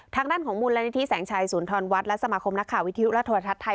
ทางด้านของมูลนิธิแสงชัยศูนย์ธรวัฒน์และสมาคมนักข่าววิทยุและโทรทัศน์ไทย